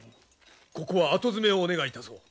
ここは後詰めをお願いいたそう。